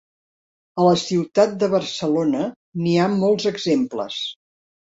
A la ciutat de Barcelona n'hi ha molts exemples.